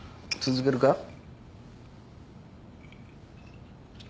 続けるか？